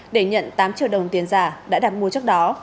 để nhận tám triệu đồng tiền giả đã đặt mua trước đó